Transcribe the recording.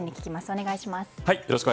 お願いします。